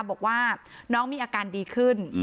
บอกว่าน้องมีอาการดีขึ้น